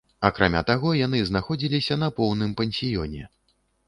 Акрамя таго, яны знаходзіліся на поўным пансіёне.